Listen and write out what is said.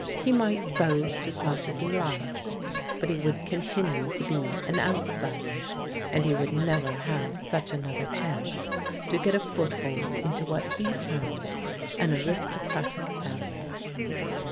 He might boast as much as he liked, but he would continue to be an out sider, and he would never have such another chance to get a foothold into what he termed "an aristocratic family."